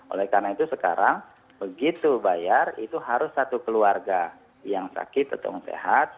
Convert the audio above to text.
oleh karena itu sekarang begitu bayar itu harus satu keluarga yang sakit atau yang sehat